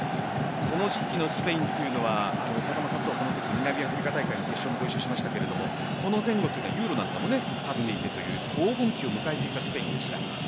この時期のスペインというのは南アフリカ大会決勝で１勝しましたがこの前後、ＥＵＲＯなんかも勝っていくという黄金期を迎えていたスペインでした。